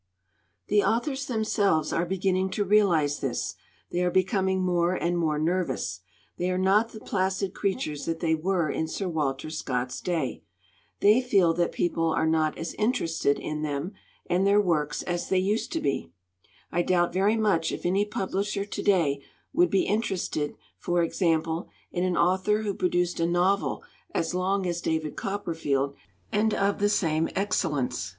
"The authors themselves are beginning to realize this. They are becoming more and more nervous. They are not the placid creatures that they were in Sir Walter Scott's day. They feel that people are not as interested in them and their works as they used to be. I doubt very much if any publisher to day would be interested, for example, in an author who produced a novel as long as David Copperfield and of the same excellence."